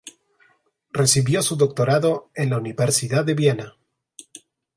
Recibió su doctorado en la universidad de Viena.